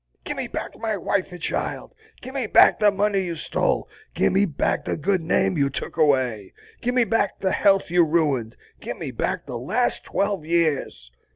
Gimme back my wife and child, gimme back the money you stole, gimme back the good name you took away, gimme back the health you ruined, gimme back the last twelve years!